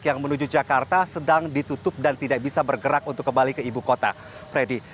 yang menuju jakarta sedang ditutup dan tidak bisa bergerak untuk kembali ke ibu kota freddy